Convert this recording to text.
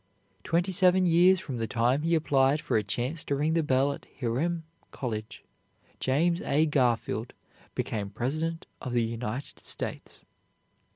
Twenty seven years from the time he applied for a chance to ring the bell at Hiram College, James A. Garfield became President of the United States.